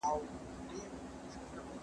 کومه ورځ به پر دې قوم باندي رڼا سي